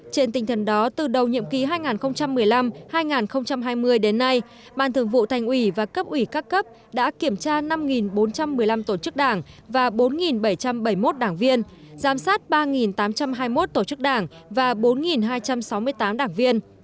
trên tinh thần đó từ đầu nhiệm kỳ hai nghìn một mươi năm hai nghìn hai mươi đến nay ban thường vụ thành ủy và cấp ủy các cấp đã kiểm tra năm bốn trăm một mươi năm tổ chức đảng và bốn bảy trăm bảy mươi một đảng viên giám sát ba tám trăm hai mươi một tổ chức đảng và bốn hai trăm sáu mươi tám đảng viên